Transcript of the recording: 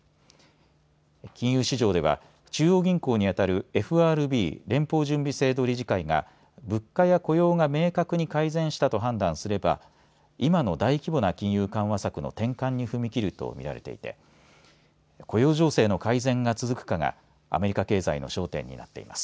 金融市場では中央銀行にあたるＦＲＢ連邦準備制度理事会が物価や雇用が明確に改善したと判断すれば今の大規模な金融緩和策の転換に踏み切るとみられていて雇用情勢の改善が続くかがアメリカ経済の焦点になっています。